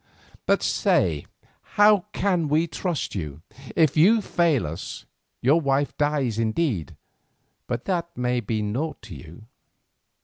But say, how can we trust you? If you fail us your wife dies indeed, but that may be naught to you."